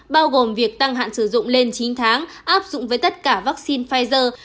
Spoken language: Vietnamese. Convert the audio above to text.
bao gồm việc tăng hạn sử dụng lên chín tháng áp dụng với tất cả vaccine pfizer